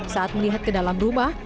saat melihat ke dalam rumah